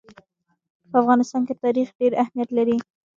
په افغانستان کې تاریخ ډېر اهمیت لري.